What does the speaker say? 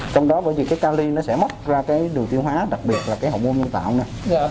trong đó bởi vì cái cali nó sẽ móc ra cái đường tiêu hóa đặc biệt là cái hậu môn nhân tạo nè